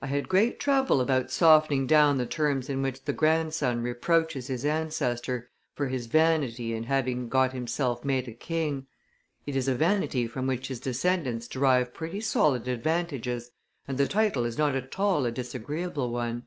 I had great trouble about softening down the terms in which the grandson reproaches his ancestor for his vanity in having got himself made a king; it is a vanity from which his descendants derive pretty solid advantages, and the title is not at all a disagreeable one.